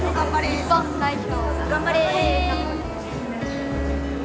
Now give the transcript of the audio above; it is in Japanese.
日本代表頑張れ！